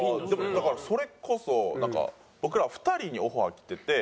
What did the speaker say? だからそれこそなんか僕ら２人にオファー来てて。